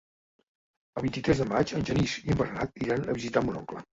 El vint-i-tres de maig en Genís i en Bernat iran a visitar mon oncle.